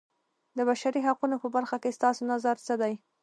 د بشري حقونو په برخه کې ستاسو نظر څه دی.